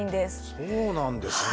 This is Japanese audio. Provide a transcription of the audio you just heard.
そうなんですね。